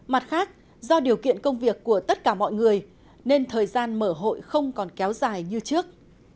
mặt khác do điều kiện công việc của tất cả mọi người nên thời gian mở hội không còn kéo dài như trước